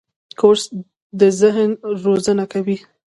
کورس د ذهن روزنه کوي.